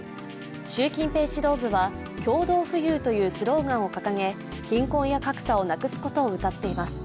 習近平指導部は共同富裕というスローガンを掲げ、貧困や格差をなくすことをうたっています。